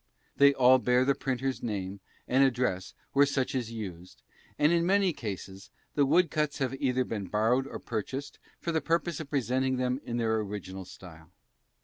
They all bear the printer's name and address were such is used, and, in many cases, the wood cuts have either been borrowed or purchased for the purpose of presenting them in their original style.